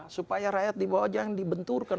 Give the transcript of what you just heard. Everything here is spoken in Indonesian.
supaya rakyat di bawah jangan dibenturkan